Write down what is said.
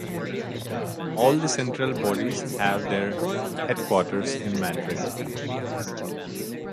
All the central bodies have their headquarters in Madrid.